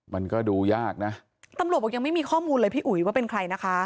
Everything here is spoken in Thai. มันก็ดูยากนะตำรวจบอกยังไม่มีข้อมูลเลยพี่อุ๋ยว่าเป็นใครนะคะ